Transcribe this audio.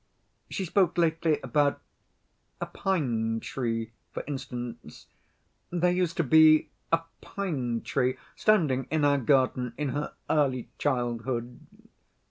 She spoke lately about a pine‐tree, for instance: there used to be a pine‐tree standing in our garden in her early childhood.